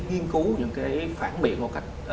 nghiên cứu những cái phản biệt một cách